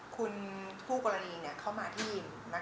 คุณผู้กรณีเข้ามาที่อิ่มนะคะ